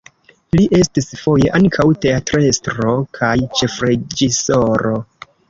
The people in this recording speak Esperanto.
Li estis foje ankaŭ teatrestro kaj ĉefreĝisoro.